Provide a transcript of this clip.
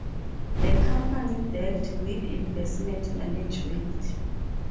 The company dealt with investment management.